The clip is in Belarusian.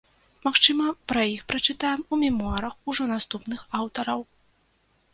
Магчыма, пра іх прачытаем у мемуарах ужо наступных аўтараў.